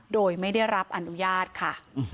โดยไม่ได้รับอนุญาตค่ะ